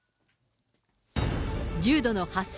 重度の発声